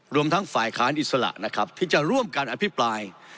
รวมทั้งฝ่ายค้านอิสระนะครับที่จะร่วมกันอภิปราย